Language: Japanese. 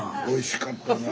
おいしかった。